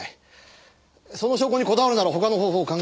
その証拠にこだわるなら他の方法を考えろ。